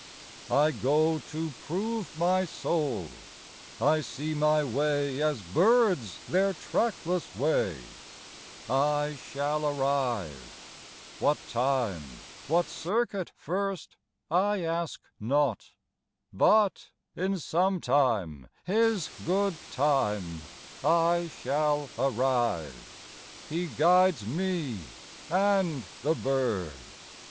I go to prove my soul ! I 3ee my way as birds their trackless way. 24 lEaster ITnterprcteD \ I shall arrive ! what time, what circuit first, , i ! I I ask not ... but ... V In some time, His good time, I shall arrive; ' He guides me and the bird."